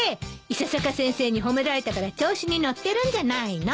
伊佐坂先生に褒められたから調子に乗ってるんじゃないの？